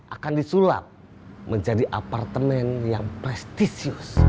akan disulap menjadi apartemen yang prestisius